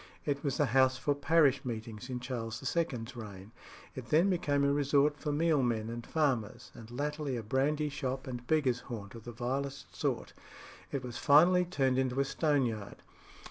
It was the house for parish meetings in Charles II.'s reign. It then became a resort for mealmen and farmers, and latterly a brandy shop and beggars' haunt of the vilest sort. It was finally turned into a stoneyard.